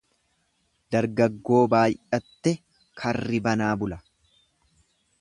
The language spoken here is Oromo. Dargaggoo baay'atte karri banaa bula.